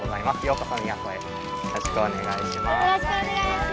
よろしくお願いします。